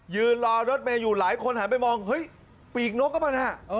ยืนรอรถเมย์อยู่หลายคนหันไปมองเฮ้ยปีกนกก็มันฮะ